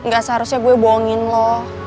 gak seharusnya gue bohongin loh